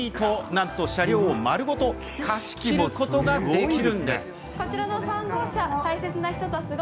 なんと車両を丸ごと貸し切ることができるんです。